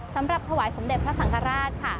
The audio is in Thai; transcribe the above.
สำหรับถวายสมเด็จพระสังฆราชค่ะ